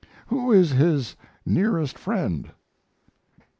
Who is his nearest friend?"